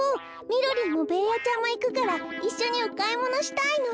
みろりんもベーヤちゃんもいくからいっしょにおかいものしたいの。